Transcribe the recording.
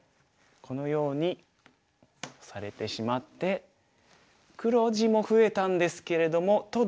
このようにオサれてしまって黒地も増えたんですけれどもと同時に白も増えてるんですよ。